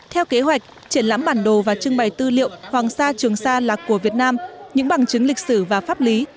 theo kế hoạch triển lãm bản đồ và trưng bày tư liệu hoàng sa trường sa là của việt nam những bằng chứng lịch sử và pháp lý